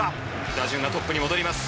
打順がトップに戻ります。